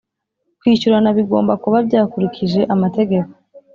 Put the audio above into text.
kwishyurana bigomba kuba byakurikije amategeko